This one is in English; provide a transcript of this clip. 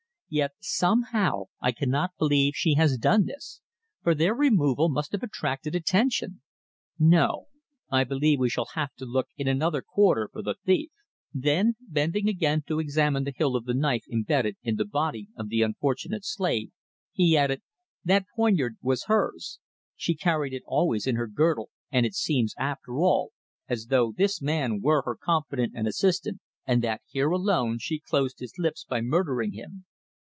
Yet somehow I cannot believe she has done this, for their removal must have attracted attention. No, I believe we shall have to look in another quarter for the thief." Then, bending again to examine the hilt of the knife embedded in the body of the unfortunate slave, he added: "That poignard was hers. She carried it always in her girdle, and it seems, after all, as though this man was her confidant and assistant, and that here alone she closed his lips by murdering him.